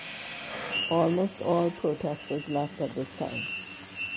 Almost all protestors left at this time.